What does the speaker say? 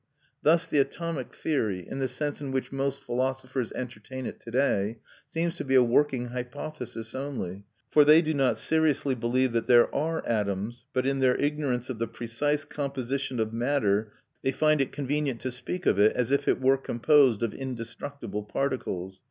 Thus the atomic theory, in the sense in which most philosophers entertain it to day, seems to be a working hypothesis only; for they do not seriously believe that there are atoms, but in their ignorance of the precise composition of matter, they find it convenient to speak of it as if it were composed of indestructible particles.